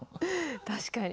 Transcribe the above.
確かに。